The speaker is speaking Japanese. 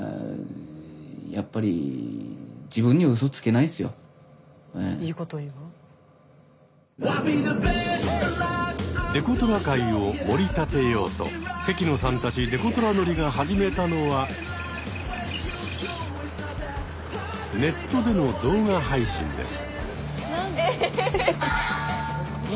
何でかっちゃんはデコトラ界をもり立てようと関野さんたちデコトラ乗りが始めたのはネットでの動画配信です。